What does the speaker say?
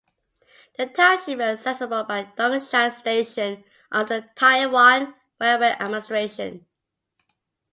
The township is accessible by the Dongshan Station of the Taiwan Railway Administration.